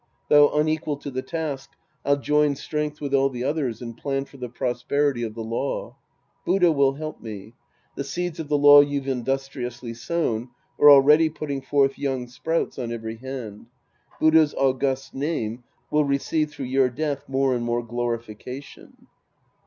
Though unequal to the task, I'll join strength with all the others and plan for the prosperity of the law. Buddha will help me. The seeds of the law you've industriously sown are already putting forth young sprouts on every hand. Buddha's august name will receive through your death more and more glori fication.